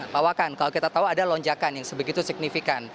pak wakan kalau kita tahu ada lonjakan yang sebegitu signifikan